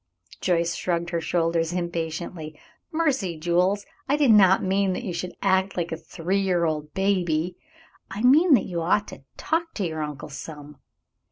Joyce shrugged her shoulders impatiently. "Mercy, Jules, I did not mean that you should act like a three year old baby. I meant that you ought to talk up to your uncle some.